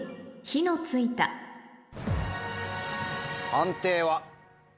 判定は？